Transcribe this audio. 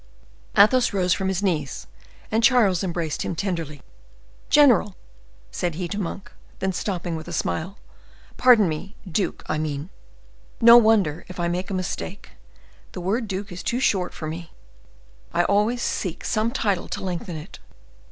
Athos rose from his knees, and Charles embraced him tenderly. "General!" said he to Monk—then stopping, with a smile, "pardon me, duke, I mean. No wonder if I make a mistake; the word duke is too short for me, I always seek some title to lengthen it.